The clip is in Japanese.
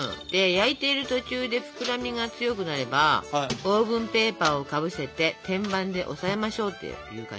焼いている途中で膨らみが強くなればオーブンペーパーをかぶせて天板で押さえましょうっていう感じです。